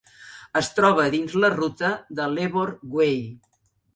Es troba dins la ruta de l'Ebor Way.